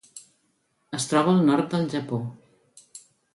Es troba al nord del Japó.